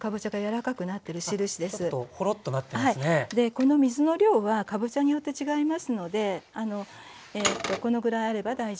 この水の量はかぼちゃによって違いますのでこのぐらいあれば大丈夫です。